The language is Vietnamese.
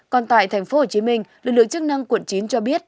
còn tại tp hcm lực lượng chức năng quận chín cho biết